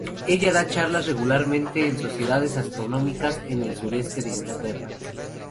Ella da charlas regularmente en sociedades astronómicas en el sureste de Inglaterra.